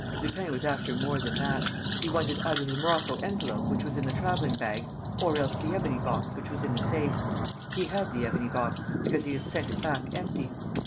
"Lupin was after more than that. He wanted either the morocco envelope which was in the traveling bag, or else the ebony box which was in the safe. He had the ebony box, because he has sent it back empty.